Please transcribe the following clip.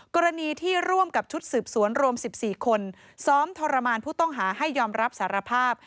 กรณีที่ร่วมกับชุดสืบสวนรวม๑๔คนซ้อมทรมานผู้ต้องหาให้ยอมรับสารภาพ